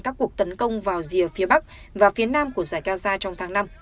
các cuộc tấn công vào rìa phía bắc và phía nam của giải gaza trong tháng năm